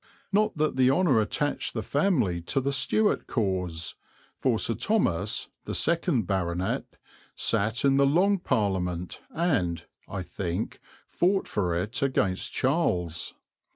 Not that the honour attached the family to the Stuart cause, for Sir Thomas, the second baronet, sat in the Long Parliament and, I think, fought for it against Charles.